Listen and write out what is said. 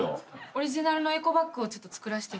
⁉オリジナルのエコバッグを作らせて。